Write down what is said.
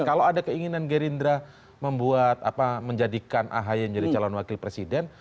kalau ada keinginan gerindra membuat apa menjadikan ahy menjadi calon wakil presiden